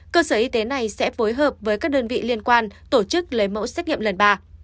cơ sở y tế này sẽ phối hợp với các đơn vị liên quan tổ chức lấy mẫu xét nghiệm lần ba